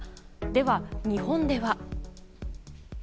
では、日本では。